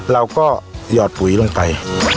เราก็ยอดปุ๋ยลงไป